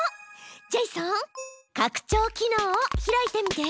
ジェイソン拡張機能を開いてみて。